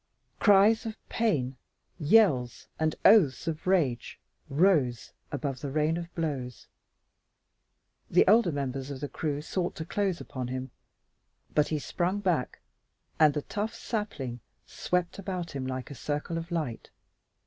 Cries of pain, yells, and oaths of rage rose above the rain of blows. The older members of the crew sought to close upon him, but he sprung back, and the tough sapling swept about him like a circle of light.